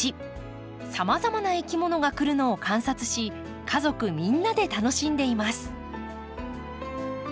さまざまないきものが来るのを観察し家族みんなで楽しんでいます。